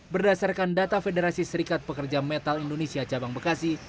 berdasarkan data federasi serikat pekerja metal indonesia cabang bekasi